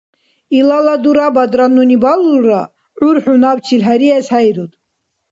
Илала дурабадра, нуни балулра, гӀyp xӀy набчил хӀериэс хӀейруд.